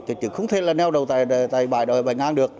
chứ không thể là neo đầu tại bãi đòi bảnh an được